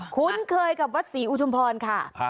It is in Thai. คุ้นเคยกับวัดศรีอุทุมพรค่ะ